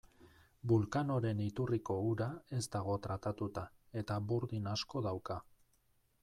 Vulcanoren iturriko ura ez dago tratatuta, eta burdin asko dauka.